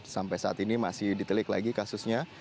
sampai saat ini masih ditelik lagi kasusnya